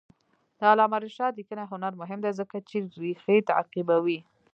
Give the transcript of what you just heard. د علامه رشاد لیکنی هنر مهم دی ځکه چې ریښې تعقیبوي.